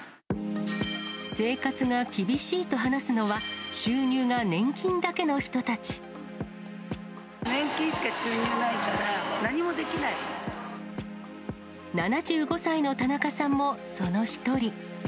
生活が厳しいと話すのは、年金しか収入ないから、７５歳の田中さんも、その一人。